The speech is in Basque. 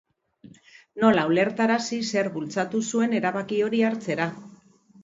Nola ulertarazi zerk bultzatu zuen erabaki hori hartzera?